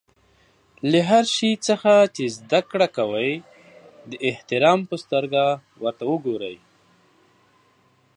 له هر شي څخه چي زدکړه کوى؛ د احترام په سترګه ورته ګورئ!